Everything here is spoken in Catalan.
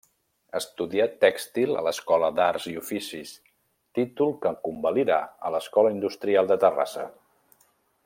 Estudià Tèxtil a l'Escola d'Arts i Oficis, títol que convalidà a l'Escola Industrial de Terrassa.